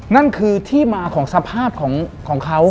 นั่นคือที่มาของสภาพของเขา